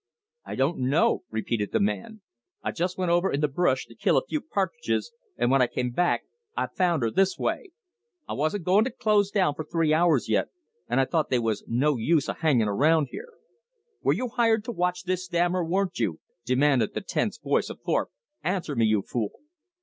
"I don't know," repeated the man. "I jest went over in th' bresh to kill a few pa'tridges, and when I come back I found her this way. I wasn't goin' to close down for three hours yet, and I thought they was no use a hangin' around here." "Were you hired to watch this dam, or weren't you?" demanded the tense voice of Thorpe. "Answer me, you fool."